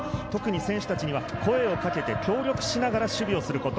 選手達には声をかけて協力しながら守備をすること。